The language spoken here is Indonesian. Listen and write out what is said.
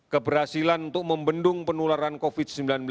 keberhasilan untuk membendung penularan covid sembilan belas